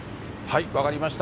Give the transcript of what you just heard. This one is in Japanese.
分かりました。